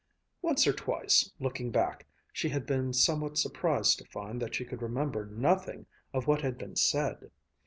Once or twice, looking back, she had been somewhat surprised to find that she could remember nothing of what had been said.